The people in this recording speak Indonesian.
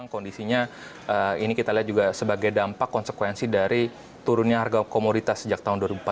kondisinya ini kita lihat juga sebagai dampak konsekuensi dari turunnya harga komoditas sejak tahun dua ribu empat belas